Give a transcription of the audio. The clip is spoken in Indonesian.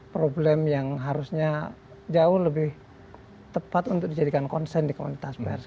problem yang harusnya jauh lebih tepat untuk dijadikan konsen di komunitas pers